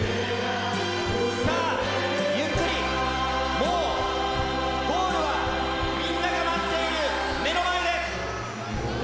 さあ、ゆっくり、もうゴールは、みんなが待っている目の前です。